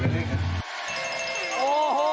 โอ้โห